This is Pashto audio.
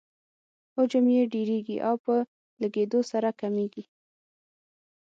حجم یې ډیریږي او په لږیدو سره کمیږي.